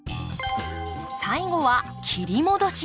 最後は切り戻し。